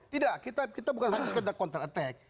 tidak kita bukan harus kontratack